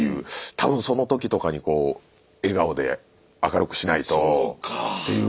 多分その時とかにこう笑顔で明るくしないとっていう。